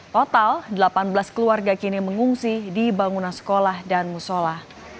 total delapan belas keluarga kini mengungsi di bangunan sekolah dan musola